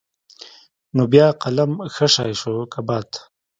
نو بيا قلم ښه شى شو که بد.